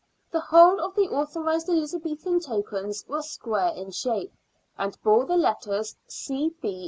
The whole of the authorised Elizabethan tokens were square in shape, and bore the letters " C.